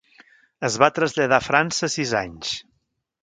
Es va traslladar a França a sis anys.